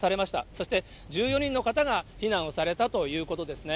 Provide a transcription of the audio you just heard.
そして、１４人の方が避難をされたということですね。